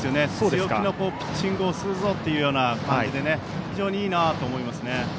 強気のピッチングをするぞというような感じで非常にいいなと思います。